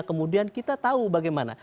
kemudian kita tahu bagaimana